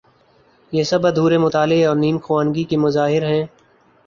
یہ سب ادھورے مطالعے اور نیم خوانگی کے مظاہر ہیں۔